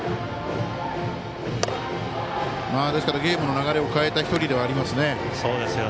ゲームの流れを変えた１人でもありますね。